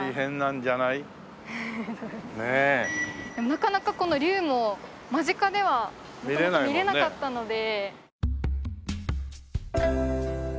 なかなかこの龍も間近では元々見られなかったので。